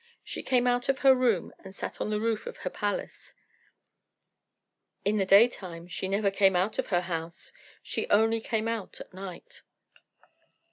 She came out of her room, and sat on the roof of her palace. In the daytime she never came out of her house; she only came out at night.